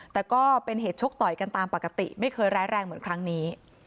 แต่ก็เป็นเหตุชกต่อยกันตามปกติไม่เคยร้ายแรงเหมือนครั้งนี้